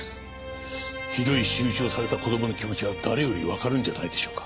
ひどい仕打ちをされた子供の気持ちは誰よりわかるんじゃないでしょうか？